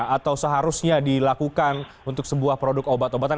atau seharusnya dilakukan untuk sebuah produk obat obatan